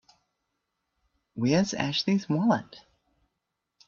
Where's Ashley's wallet?